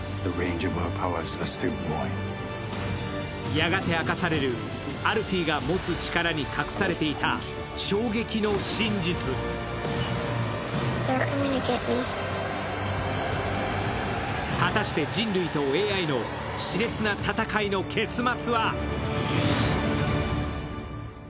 やがて明かされるアルフィーが持つ力に隠されていた衝撃の真実果たして人類とＡＩのしれつな戦いの結末は！？